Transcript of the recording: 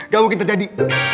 gak mungkin terjadi